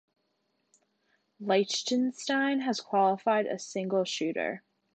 Liechtenstein has qualified a single shooter.